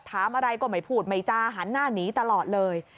ถามอะไรก็ไม่พูดไม่จาหันหน้าหนีตลอดเลย